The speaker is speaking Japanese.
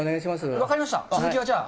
分かりました。